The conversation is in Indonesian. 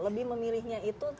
lebih memilihnya itu